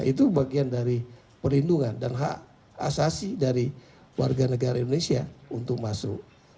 itu bagian dari perlindungan dan hak asasi dari warga negara indonesia untuk masuk